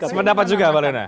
semua dapat juga pak lena